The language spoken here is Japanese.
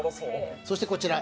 そしてこちら。